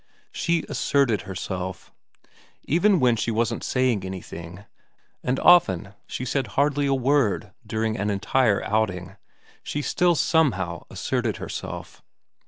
She asserted herself. Even when she wasn't saying anything and often she said hardly a word during an entire outing she still somehow asserted herself.